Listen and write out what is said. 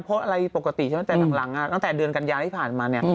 เพราะอะไรปกติใช่ไหมแต่หลังตั้งแต่เดือนกันยาที่ผ่านมาเนี่ย